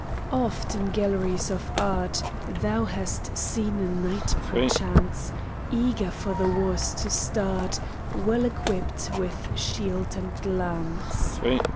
Oft in galleries of art Thou hast seen a knight perchance, Eager for the wars to start, Well equipped with shield and lance.